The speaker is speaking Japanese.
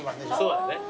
そうだね。